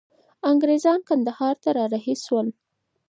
انګریزان کندهار ته را رهي سول.